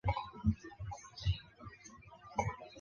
拉费兰人口变化图示